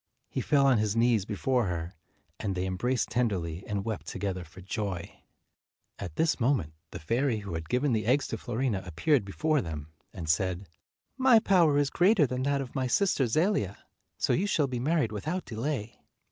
He fell on his knees before her, and they embraced tenderly and wept together for joy. At this moment, the fairy who had given the eggs to Fiorina appeared before them, and said, 227 " My power is greater than that of my sister Zelia, so you shall be married without delay."